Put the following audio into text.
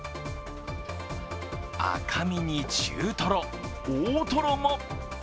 赤身に中トロ、大トロも。